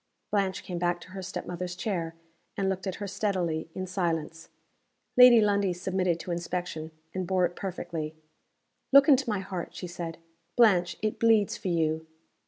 Blanche came back to her step mother's chair; and looked at her steadily, in silence. Lady Lundie submitted to inspection and bore it perfectly. "Look into my heart," she said. "Blanche! it bleeds for you!"